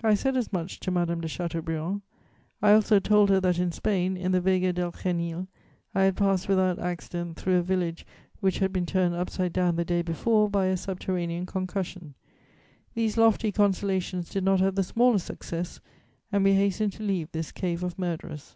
I said as much to Madame de Chateaubriand; I also told her that, in Spain, in the Vega del Xenil, I had passed without accident through a village which had been turned upside down the day before by a subterranean concussion. These lofty consolations did not have the smallest success, and we hastened to leave this cave of murderers.